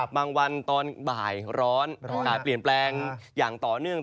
บางวันตอนบ่ายร้อนอากาศเปลี่ยนแปลงอย่างต่อเนื่อง